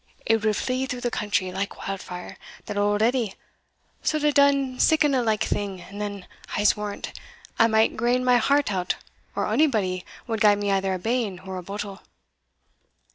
it wad flee through the country like wildfire, that auld Edie suld hae done siccan a like thing, and then, I'se warrant, I might grane my heart out or onybody wad gie me either a bane or a bodle."